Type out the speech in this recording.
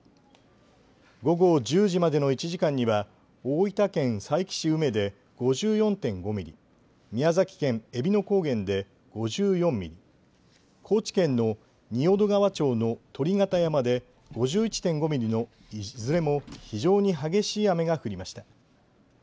午後１０時までの１時間には大分県佐伯市宇目で５４．５ミリ、宮崎県えびの高原で５４ミリ、高知県の仁淀川町の鳥形山で５１．５ミリのいずれも非常に激しい雨が降りました。